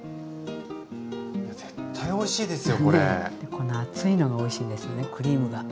この厚いのがおいしいんですよねクリームが。